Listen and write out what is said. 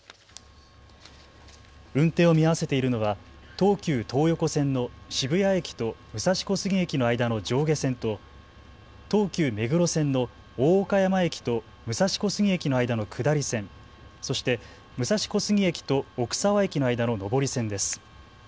運転を見合わせているのは東急東横線の渋谷駅と武蔵小杉駅の間の上下線と東急目黒線の大岡山駅と武蔵小杉駅の間の下り線、そして武蔵小杉駅と奥沢駅の間の上り線です。